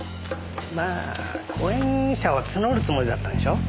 まあ後援者を募るつもりだったんでしょう。